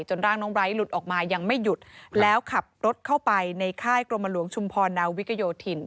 ร่างน้องไลท์หลุดออกมายังไม่หยุดแล้วขับรถเข้าไปในค่ายกรมหลวงชุมพรนาวิกโยธิน